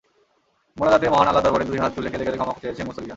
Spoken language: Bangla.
মোনাজাতে মহান আল্লাহর দরবারে দুই হাত তুলে কেঁদে কেঁদে ক্ষমা চেয়েছেন মুসল্লিরা।